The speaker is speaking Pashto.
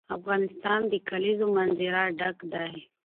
افغانستان له د کلیزو منظره ډک دی.